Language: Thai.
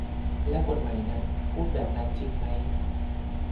และกฎหมายนั้นพูดแบบนั้นจริงไหม